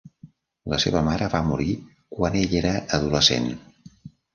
La seva mare va morir quan ell era adolescent.